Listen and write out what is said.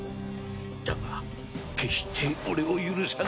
だが決して俺を許さないで。